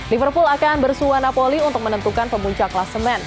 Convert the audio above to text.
liverpool akan bersuara napoli untuk menentukan pemunca klasemen